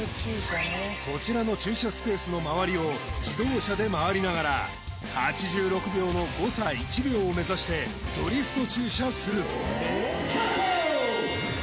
こちらの駐車スペースの周りを自動車で回りながら８６秒の誤差１秒を目指してドリフト駐車するスタート！